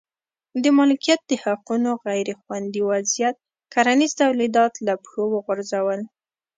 د مالکیت د حقونو غیر خوندي وضعیت کرنیز تولیدات له پښو وغورځول.